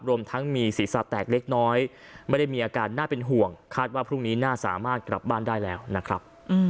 รวมทั้งมีศีรษะแตกเล็กน้อยไม่ได้มีอาการน่าเป็นห่วงคาดว่าพรุ่งนี้น่าสามารถกลับบ้านได้แล้วนะครับ